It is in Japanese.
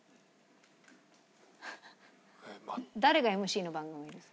誰がＭＣの番組ですか？